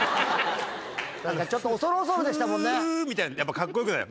何かちょっと恐る恐るでしたもんね。